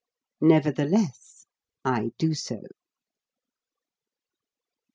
Nevertheless, I do so.